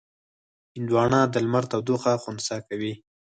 هندوانه د لمر تودوخه خنثی کوي.